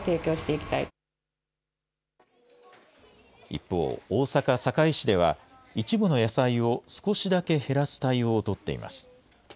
一方、大阪・堺市では、一部の野菜を少しだけ減らす対応を取っています。